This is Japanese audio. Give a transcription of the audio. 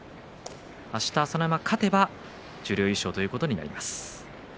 あした、朝乃山が勝てば十両優勝ということになります。